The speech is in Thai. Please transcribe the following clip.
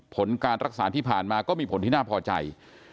ผลการรักษาที่ผ่านมาก็มีผลที่น่าพอใจ